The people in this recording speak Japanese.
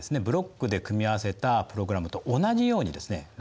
ブロックで組み合わせたプログラムと同じようにですね